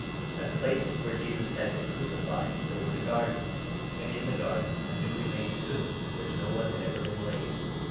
At the place where Jesus had been 41 crucified there was a garden, and in the garden a newly made tomb in which no one had ever been laid.